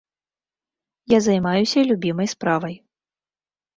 Я займаюся любімай справай.